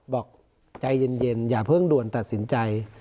บอกใจเย็นอย่าเพิ่งด่วนตัดสินใจ